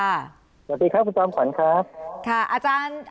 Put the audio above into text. สวัสดีค่ะคุณตามฝันครับ